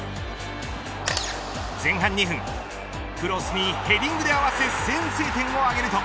前半２分クロスにヘディングで合わせ先制点を挙げると。